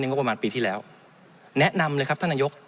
งบประมาณปีที่แล้วแนะนำเลยครับท่านนายก